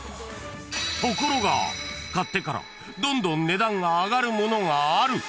［ところが買ってからどんどん値段が上がるものがある］